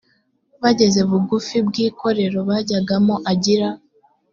bageze bugufi bw ikirorero bajyagamo agira